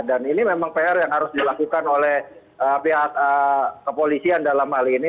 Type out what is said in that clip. dan ini memang pr yang harus dilakukan oleh pihak kepolisian dalam hal ini